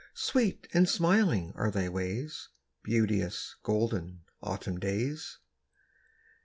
Sweet and smiling are thy ways, Beauteous, golden, Autumn days!